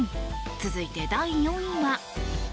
続いて、第４位は。